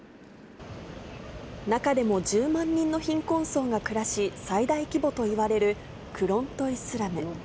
中でも１０万人の貧困層が暮らし、最大規模といわれるクロントイ・スラム。